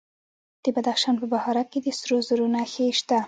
د بدخشان په بهارک کې د سرو زرو نښې شته.